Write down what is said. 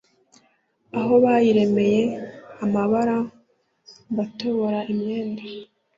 aho bayiremeye amabara mbatobora imyenge.